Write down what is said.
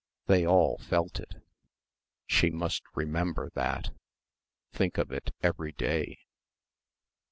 They all felt it. She must remember that.... Think of it every day.